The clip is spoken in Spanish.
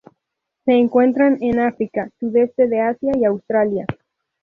Se encuentran en África, sudeste de Asia y Australia.